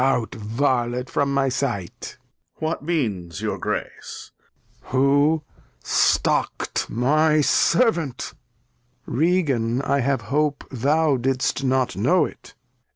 Out, Varlet, from my Sight. Duke. What means your Grace ? Lear. Who stockt my Servant ? Regan, I have hope Thou didst not know it.